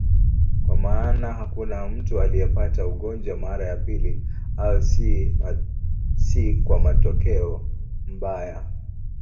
Kwa maana hakuna mtu aliyepata ugonjwa mara ya pili, au si kwa matokeo mbaya.